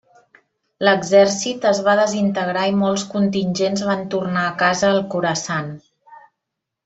L'exèrcit es va desintegrar i molts contingents van tornar a casa al Khorasan.